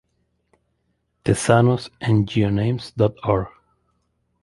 Tezanos en geonames.org